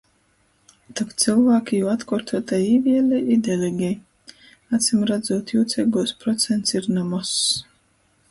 Tok cylvāki jū atkuortuotai īvielej i delegej... Acimradzūt jūceigūs procents ir na mozs...